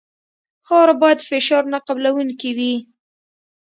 خاوره باید فشار نه قبلوونکې وي